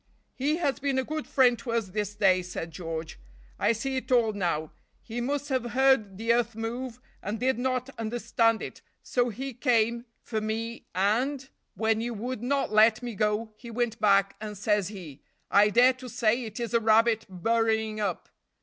"He has been a good friend to us this day," said George. "I see it all now; he must have heard the earth move and did not understand it so he came for me, and, when you would not let me go, he went back, and says he, 'I dare to say it is a rabbit burrowing up.'